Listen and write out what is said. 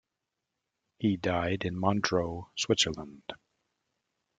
He died in Montreux, Switzerland.